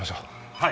はい！